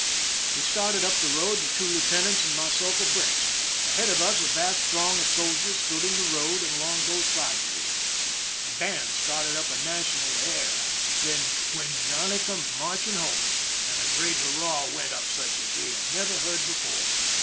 We started up the road, the two lieutenants and myself abreast. Ahead of us a vast throng of soldiers stood in the road and along both sides of it. A band started up a national air, then " When 1* 299 THE SINKING OF THE "MERRIMAC" Johnny conies marching home," and a great hurrah went up such as we had never heard before.